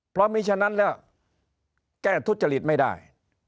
เพราะมีฉะนั้นแล้วแก้ทุจริตไม่ได้